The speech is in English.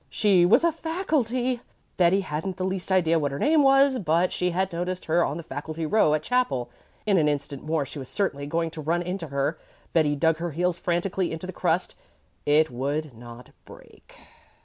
She was a faculty Betty hadn't the least idea what her name was, but she had noticed her on the "faculty row" at chapel. In an instant more she was certainly going to run into her. Betty dug her heels frantically into the crust. It would not break.